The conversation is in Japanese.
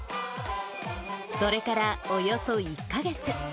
それからおよそ１か月。